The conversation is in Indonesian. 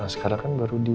sekarang kan baru di